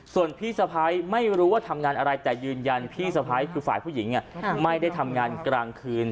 ส่วนพี่สะพ้ายไม่รู้ว่าทำงานอะไรแต่ยืนยันพี่สะพ้ายคือฝ่ายผู้หญิงไม่ได้ทำงานกลางคืน